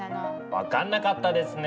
分かんなかったですね。